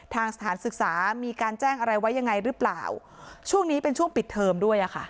สถานศึกษามีการแจ้งอะไรไว้ยังไงหรือเปล่าช่วงนี้เป็นช่วงปิดเทอมด้วยอ่ะค่ะ